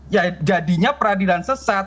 ya jadinya peradilan sesat